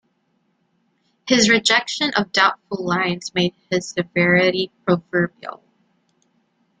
His rejection of doubtful lines made his severity proverbial.